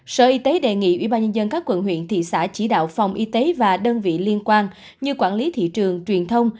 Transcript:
sở y tế đề nghị ubnd các quận huyện thị xã chỉ đạo phòng y tế và đơn vị liên quan như quản lý thị trường truyền thông